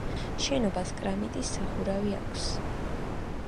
შენობას კრამიტის სახურავი აქვს.